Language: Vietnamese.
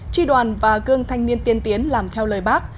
tri đoàn và gương thanh niên tiên tiến làm theo lời bác